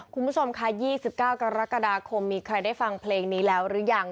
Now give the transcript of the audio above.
คุณผู้ชมค่ะ๒๙กรกฎาคมมีใครได้ฟังเพลงนี้แล้วหรือยัง